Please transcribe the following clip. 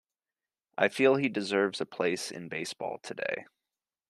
I feel he deserves a place in baseball today.